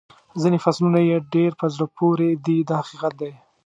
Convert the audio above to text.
ځینې فصلونه یې ډېر په زړه پورې دي دا حقیقت دی.